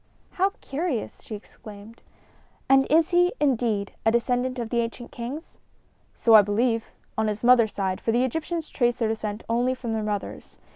"How curious!" she exclaimed. "And is he, indeed, a descendant of the ancient kings?" "So I believe on his mother's side, for the Egyptians trace their descent only from their mothers.